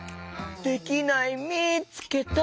できないみつけた。